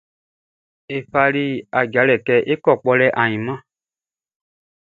Ye fali ajalɛ kɛ é kɔ́ kpɔlɛ ainman.